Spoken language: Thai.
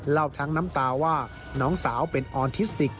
เล่าทั้งน้ำตาว่าน้องสาวเป็นออทิสติก